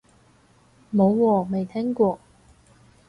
冇喎，未聽過